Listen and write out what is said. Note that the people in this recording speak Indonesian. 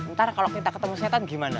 ntar kalo kita ketemu setan gimana